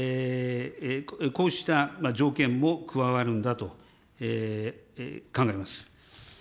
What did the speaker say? こうした条件も加わるんだと考えます。